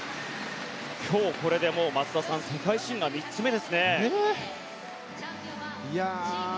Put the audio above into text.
今日、これで松田さん世界新が３つ目ですね。